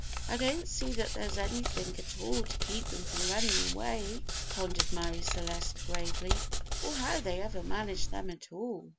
"I don't see that there's anything at all to keep them from running away," pondered Marie Celeste gravely, "or how they ever manage them at all."